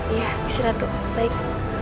iya gusiratu baik